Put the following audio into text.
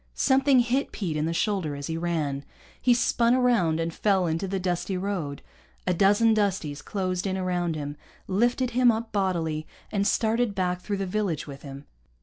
Something hit Pete in the shoulder as he ran. He spun around and fell into the dusty road. A dozen Dusties closed in around him, lifted him up bodily, and started back through the village with him.